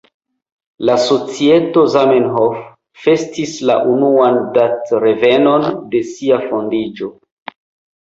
La societo „Zamenhof” festis la unuan datrevenon de sia fondiĝo.